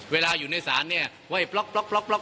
เวลาอยู่ในศาลเนี่ยไว้ปล๊อกขอนะครับ